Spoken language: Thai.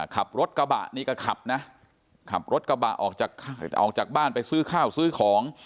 ขับรถกระบะนี่ก็ขับนะขับรถกระบะออกจากออกจากบ้านไปซื้อข้าวซื้อของ